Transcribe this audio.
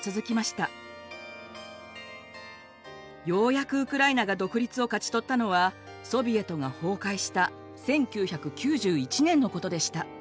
ようやくウクライナが独立を勝ち取ったのはソビエトが崩壊した１９９１年のことでした。